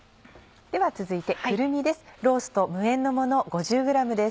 では続いてくるみです。